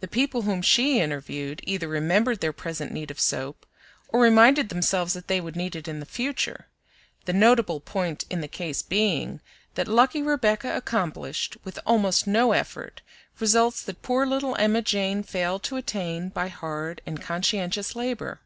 The people whom she interviewed either remembered their present need of soap, or reminded themselves that they would need it in the future; the notable point in the case being that lucky Rebecca accomplished, with almost no effort, results that poor little Emma Jane failed to attain by hard and conscientious labor.